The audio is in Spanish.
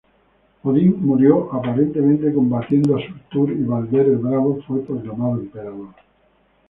Odín murió aparentemente combatiendo a Surtur, y Balder el Bravo fue proclamado emperador.